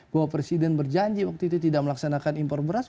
bahwa presiden berjanji waktu itu tidak melaksanakan impor beras